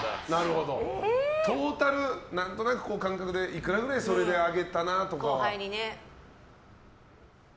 トータル、何となく感覚でいくらぐらいそれであげたなとか。